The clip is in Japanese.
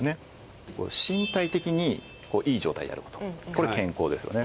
身体的にいい状態であることこれ健康ですよね。